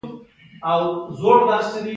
د هضم لپاره شین چای وڅښئ